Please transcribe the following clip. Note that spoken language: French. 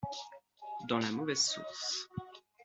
Dans la mauvaise source.